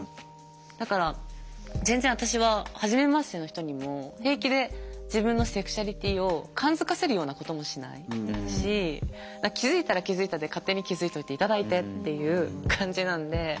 だから全然私は初めましての人にも平気で自分のセクシュアリティーを感づかせるようなこともしないし気付いたら気付いたで勝手に気付いておいていただいてっていう感じなんで。